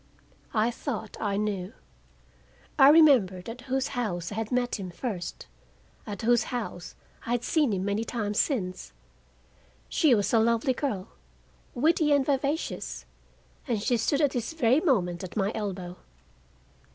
I thought I knew. I remembered at whose house I had met him first, at whose house I had seen him many times since. She was a lovely girl, witty and vivacious, and she stood at this very moment at my elbow.